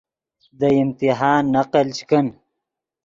دے امتحان نقل چے کن